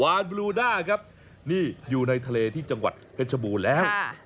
บลูด้าครับนี่อยู่ในทะเลที่จังหวัดเพชรบูรณ์แล้ว